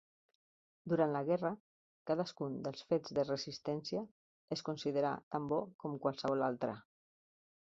Durant la guerra, cadascun dels fets de Resistència es considerà tan bo com qualsevol altre.